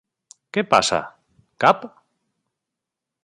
Què passa, cap?